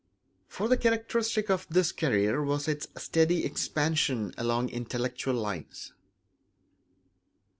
For the characteristic of this career was its steady expansion along intellectual lines.